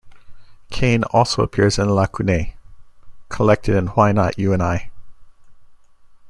Kane also appears in "Lacunae", collected in "Why Not You and I?